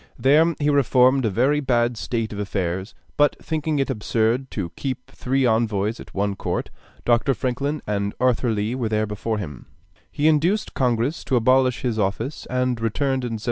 There he reformed a very bad state of affairs; but thinking it absurd to keep three envoys at one court (Dr. Franklin and Arthur Lee were there before him), he induced Congress to abolish his office, and returned in 1779.